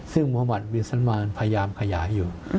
ซึ่งมุมัติวิสันมานพยายามขยายอยู่